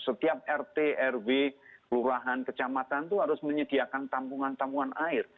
setiap rt rw kelurahan kecamatan itu harus menyediakan tampungan tampungan air